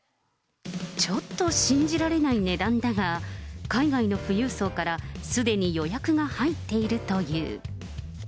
ちょっと信じられない値段だが、海外の富裕層からすでに予約が入っているという。